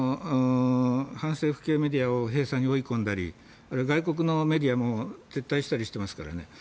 反政府系メディアを閉鎖に追い込んだり外国のメディアも撤退したりしていますからね。